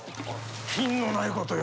品のないことよ。